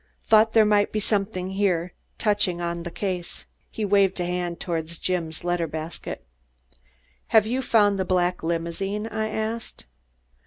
Thought there might be something here touching on the case." He waved a hand toward Jim's letter basket. "Have you found the black limousine?" I asked.